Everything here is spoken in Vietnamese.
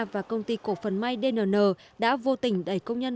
và công ty cổ phần mydnn đã vô tình đẩy công nhân